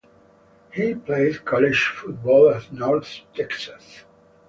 He played college football at North Texas.